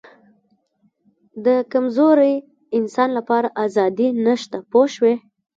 د کمزوري انسان لپاره آزادي نشته پوه شوې!.